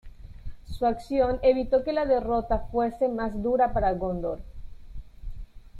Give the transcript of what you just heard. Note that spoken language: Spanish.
Su acción evitó que la derrota fuese, más dura para Gondor.